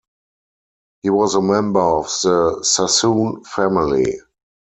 He was a member of the Sassoon family.